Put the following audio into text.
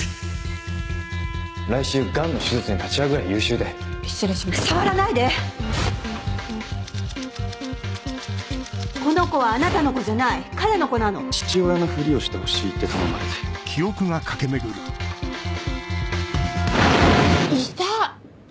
来週ガンの手術に立ち会うぐらい優秀この子はあなたの子じゃない彼の子な父親のふりをしてほしいって頼まれていた！